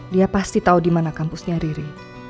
dia pasti tau dimana kampusnya riri